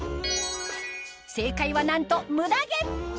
正解はなんとムダ毛！